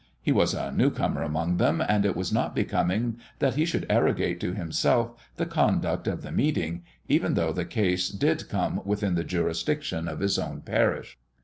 He was a newcomer among them, and it was not becoming that he should arrogate to himself the conduct of the meeting, even though the case did come within the jurisdiction of his own parish.